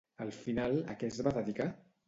Al final a què es va dedicar?